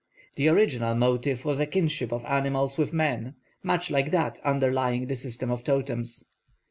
The original motive was a kinship of animals with man, much like that underlying the system of totems.